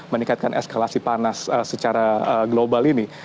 meningkatkan eskalasi panas secara global ini